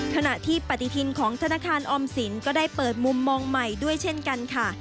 ขณะที่ปฏิทินของธนาคารออมสินก็ได้เปิดมุมมองใหม่ด้วยเช่นกันค่ะ